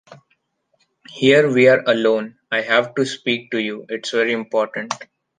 Here we are alone, I have to speak to you; it’s very important.